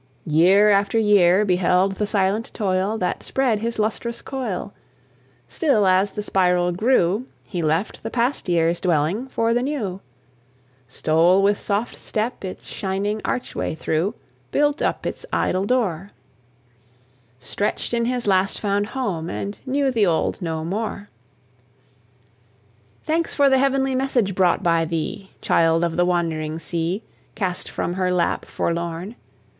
Year after year beheld the silent toil That spread his lustrous coil; Still, as the spiral grew, He left the past year's dwelling for the new, Stole with soft step its shining archway through, Built up its idle door, Stretched in his last found home, and knew the old no more. Thanks for the heavenly message brought by thee, Child of the wandering sea, Cast from her lap, forlorn!